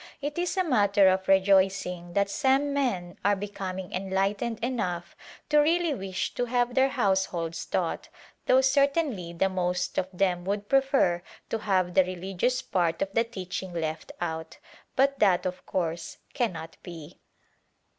It is a matter of rejoicing that some men are becoming enlightened enough to really wish to have their households taught, though certainly the most of them would prefer to have the religious part of the teaching left out. But that, of course, cannot be.